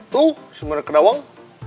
tuh semuanya keda wong